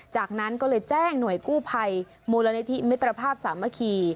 จากนั้นก็เลยแจ้งหน่วยกู้ภัยมูลนิธิมิตรภาพสามัคคี